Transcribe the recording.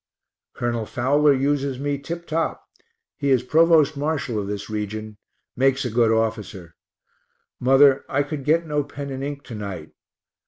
Col. Fowler uses me tip top he is provost marshal of this region; makes a good officer. Mother, I could get no pen and ink to night.